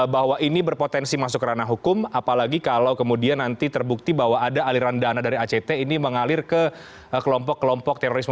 bahwa ini berpotensi masuk ke ranah hukum apalagi kalau kemudian nanti terbukti bahwa ada aliran dana dari act ini mengalir ke kelompok kelompok terorisme